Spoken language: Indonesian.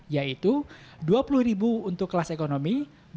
yaitu rp dua puluh untuk kelas ekonomi